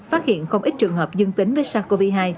phát hiện không ít trường hợp dương tính với sars cov hai